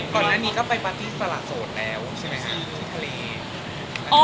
ก่อนอันนี้ก็ไปปาร์ตี้ฝรั่งโสดแล้วใช่ไหมคะที่ทะเล